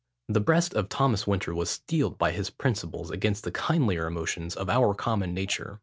The breast of Thomas Winter was steeled by his principles against the kindlier emotions of our common nature.